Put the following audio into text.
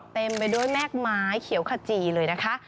เต็มไปด้วยแม่กไม้เขียวขจีเลยนะคะ